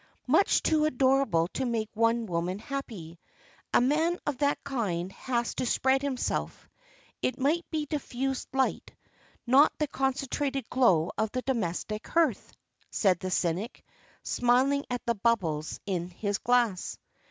"Much too adorable to make one woman happy. A man of that kind has to spread himself. It must be diffused light, not the concentrated glow of the domestic hearth," said the cynic, smiling at the bubbles in his glass.